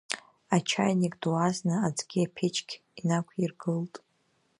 Ачаиник ду азна аӡгьы аԥечқь инақәиргылт.